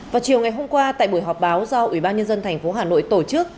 vào chiều ngày hôm qua tại buổi họp báo do ủy ban nhân dân tp hà nội tổ chức